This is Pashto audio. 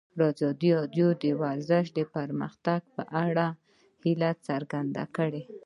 ازادي راډیو د ورزش د پرمختګ په اړه هیله څرګنده کړې.